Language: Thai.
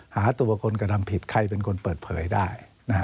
หาตัวคนกระทำผิดใครเป็นคนเปิดเผยได้